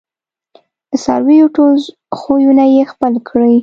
د څارویو ټول خویونه یې خپل کړي